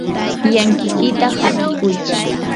llankikiyta hatikuy.